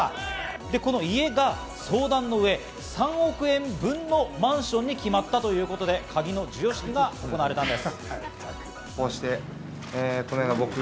で、この家が相談のうえ、３億円分のマンションに決まったということで、鍵の授与式が行われたんです。